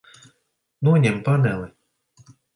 Noņem paneli.